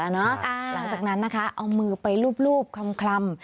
หลังจากนั้นนะคะเอามือไปรูปคลำ